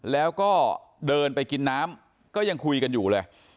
แล้วก็เดินไปกินน้ำก็ยังคุยกันอยู่เลย